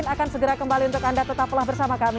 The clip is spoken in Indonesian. akan segera kembali untuk anda tetaplah bersama kami